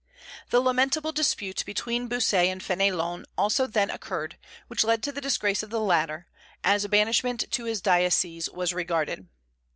The lamentable dispute between Bossuet and Fénelon also then occurred, which led to the disgrace of the latter, as banishment to his diocese was regarded.